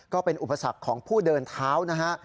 ก็เป็นอุปสรรคของผู้เดินเท้านะฮะ